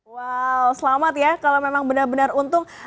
wow selamat ya kalau memang benar benar untung